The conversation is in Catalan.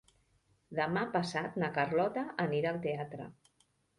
Demà passat na Carlota anirà al teatre.